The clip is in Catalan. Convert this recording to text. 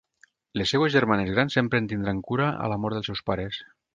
Les seues germanes grans sempre en tindran cura a la mort dels seus pares.